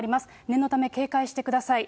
念のため、警戒してください。